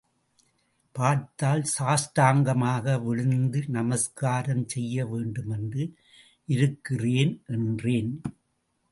பார்த்தால் சாஷ்டாங்கமாக விழுந்து நமஸ்காரம் செய்யவேண்டுமென்று இருக்கிறேன் என்றேன்.